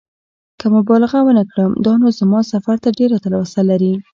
که مبالغه ونه کړم دا نو زما سفر ته ډېره تلوسه لري.